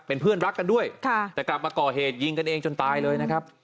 เป็นเพื่อนรักกันด้วยแต่กลับมาก่อเหตุยิงกันเองจนตายเลยนะครับ